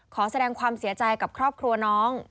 ขอแสดงความเสียใจกับครอบครัวน้อง